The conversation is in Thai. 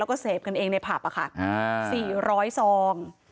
แล้วก็เสพกันเองในผับ๔๐๐ซอง